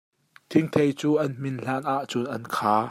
Thingthei cu an hmin hlan ahcun an kha.